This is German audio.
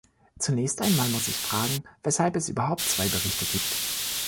Zunächst einmal muss ich fragen, weshalb es überhaupt zwei Berichte gibt.